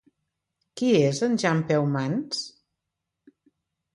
Qui és Jan Peumans?